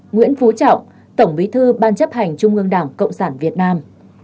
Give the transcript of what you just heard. nguyễn phú trọng tổng bí thư ban chấp hành trung ương đảng cộng sản việt nam